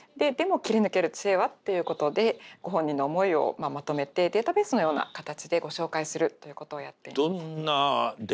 でも切り抜ける知恵はっていうことでご本人の思いをまとめてデータベースのような形でご紹介するということをやっています。